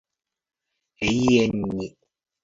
永遠に